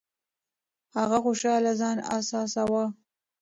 هغه خوشاله ځان احساساوه.